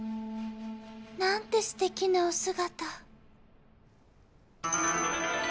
何てすてきなお姿